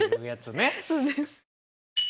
そうです。